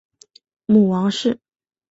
母王氏。